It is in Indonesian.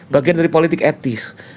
bagian dari politik etis